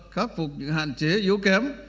khắc phục những hạn chế yếu kém